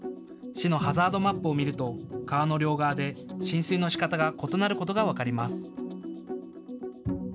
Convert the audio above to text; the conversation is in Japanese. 市のハザードマップを見ると川の両側で浸水のしかたが異なることが分かります。